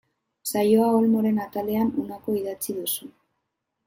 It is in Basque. Saioa Olmoren atalean honakoa idatzi duzu.